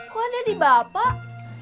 kok ada di bapak